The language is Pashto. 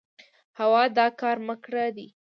هو دا کار ما کړی دی.